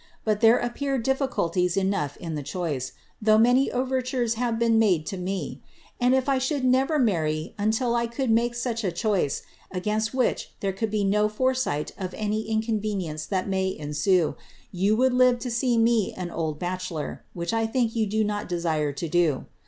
But there appeared difficulties enough in the choice, though many have been made to me ; and if I sliouid never marry until I could 1 a choice, against which there could be no foresight of any inoonve It may cn.«ue, you would live to sec mc an old bac^helor, which I think ot desire to do.